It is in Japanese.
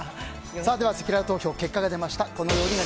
せきらら投票結果が出ました。